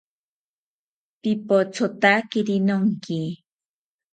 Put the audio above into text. Pipothotakiri nonki